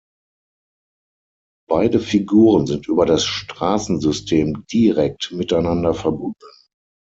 Beide Figuren sind über das Straßensystem direkt miteinander verbunden.